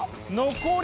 残り。